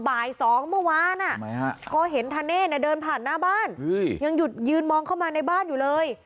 บ่าย๒เมื่อวานอะก็เห็นทันเนสเนี่ยเดินผ่านหน้าบ้านยังยืนมองเข้ามาในบ้านอยู่เลย